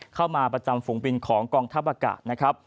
เข้ามาประจำฝูงบินของกองทัพอากาศนะครับ